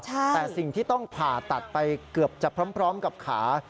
แต่สิ่งที่ต้องผ่าตัดไปเกือบจะพร้อมกับขา